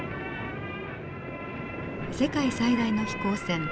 世界最大の飛行船